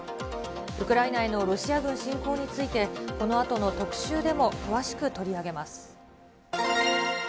ウクライナへのロシア軍侵攻について、このあとの特シューでも詳しく取り上げます。